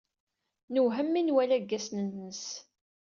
Newhem mi nwala aggasen-nnes.